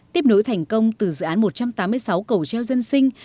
tiếp nối thành công từ dự án một trăm tám mươi sáu cầu treo dân sinh